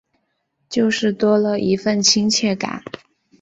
就是多了一分亲切感